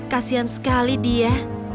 kasian sekali dia